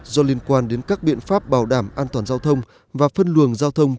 do liên quan đến các biện pháp bảo đảm an toàn giao thông và phân luồng giao thông